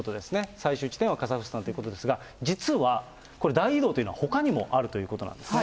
最終地点はカザフスタンということですが、実はこれ、大移動というのは、ほかにもあるということなんですね。